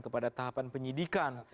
kepada tahapan penyidikan